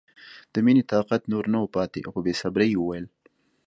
د مینې طاقت نور نه و پاتې او په بې صبرۍ یې وویل